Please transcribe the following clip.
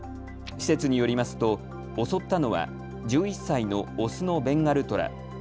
施設によりますと襲ったのは１１歳のオスのベンガルトラ。